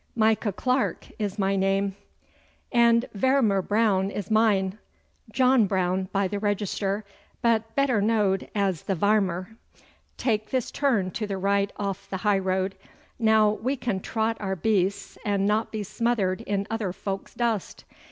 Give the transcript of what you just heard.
'Micah Clarke is my name.' 'And Vairmer Brown is mine John Brown by the register, but better knowed as the Vairmer. Tak' this turn to the right off the high road. Now we can trot our beasts and not be smothered in other folk's dust.